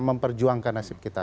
memperjuangkan nasib kita